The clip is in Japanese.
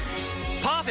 パーフェクト！